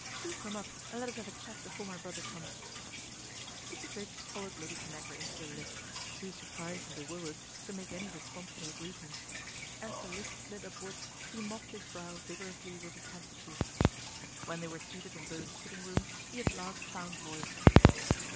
Do come up and let us have a chat before my brother comes." Mr. Triggs followed Lady Tanagra into the lift, too surprised and bewildered to make any response to her greeting. As the lift slid upwards he mopped his brow vigorously with his handkerchief. 210 PATRICIA BRENT, SPINSTER When they were seated in Bowen's sitting room he at last found voice.